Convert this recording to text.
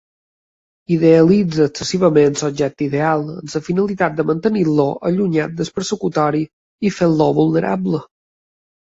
Idealitza excessivament l'objecte ideal amb la finalitat de mantenir-lo allunyat del persecutori i fer-lo vulnerable.